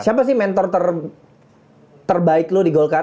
siapa sih mentor terbaik lo di golkar